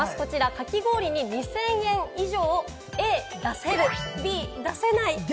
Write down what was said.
かき氷に２０００円以上を出せる、出せない。